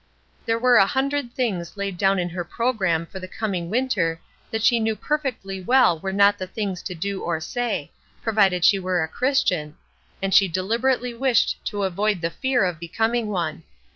There were a hundred things laid down in her programme for the coming winter that she knew perfectly well were not the things to do or say, provided she were a Christian, and she deliberately wished to avoid the fear of becoming one.